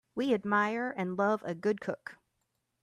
We admire and love a good cook.